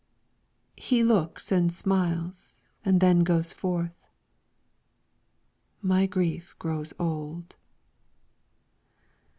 He looks and smiles and then goes forth, My grief grows old.